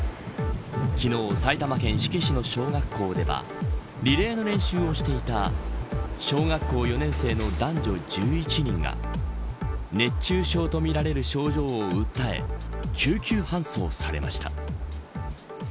昨日、埼玉県志木市の小学校ではリレーの練習をしていた小学校４年生の男女１１人が熱中症とみられる症状を訴え救急搬送されました。